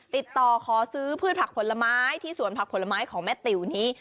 ติดต่อขอซื้อพืชผักผลไม้ที่สวนผักผลไม้ของแม่ติ๋วนี้